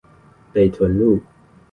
北屯路